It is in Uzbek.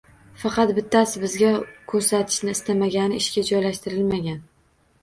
Faqat bittasi, bizga ko`rsatishni istamagani ishga joylashtirilmagan